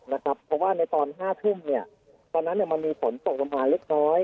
เพราะว่าในตอน๕ทุ่มตอนนั้นมันมีฝนตกลงมาเล็กน้อย